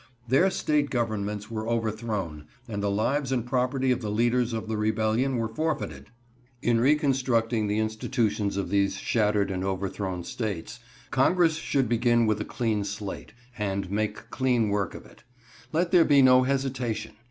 Their State governments were overthrown, and the lives and property of the leaders of the Rebellion were forfeited. In reconstructing the institutions of these shattered and overthrown States, Congress should begin with a clean slate, and make clean work of it. Let there be no hesitation.